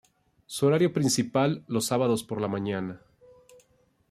Su horario principal los sábados por la mañana.